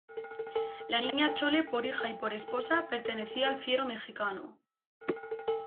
la Niña Chole por hija y por esposa, pertenecía al fiero mexicano